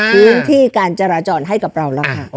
พื้นที่การจราจรให้กับเราแล้วค่ะ